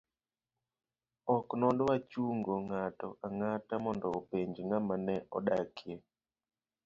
ok nodwa chungo ng'ato ang'ata mondo openj kama ne odakie